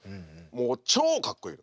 もう超かっこいい！